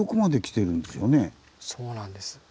そうなんです。